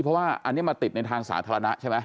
เพราะว่าอันนี้มาติดในทางสาธารณะใช่ไหม